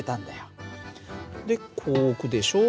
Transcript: でこう置くでしょ。